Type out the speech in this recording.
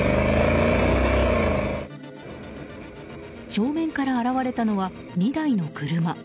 正面から現れたのは２台の車。